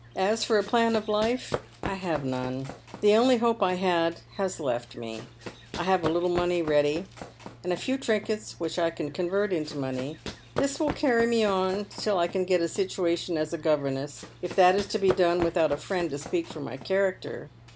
As fot a plan of life, I have none. The only hope I had has left me. I have a little ready money, and a few trinkets which I can convert into money. This will cany me on till I can get a situation as a governess — if that is to be done without a friend to speak for my character.